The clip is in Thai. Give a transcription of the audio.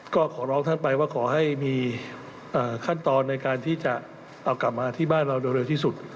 ก็ขอร้องท่านไปว่าขอให้มีขั้นตอนในการที่จะเอากลับมาที่บ้านเราโดยเร็วที่สุด